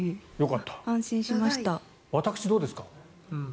私、どうですか？